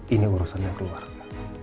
ini urusannya keluarga